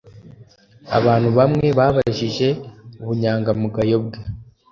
abantu bamwe babajije ubunyangamugayo bwe